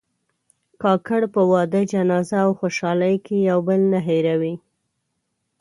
کاکړ په واده، جنازه او خوشحالۍ کې یو بل نه هېروي.